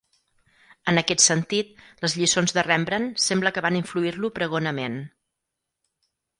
En aquest sentit, les lliçons de Rembrandt sembla que van influir-lo pregonament.